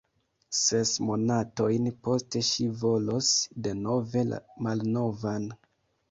Ses monatojn poste ŝi volos denove la malnovan.